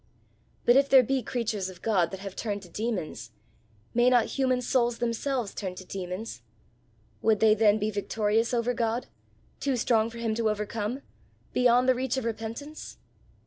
"But if there be creatures of God that have turned to demons, may not human souls themselves turn to demons? Would they then be victorious over God, too strong for him to overcome beyond the reach of repentance?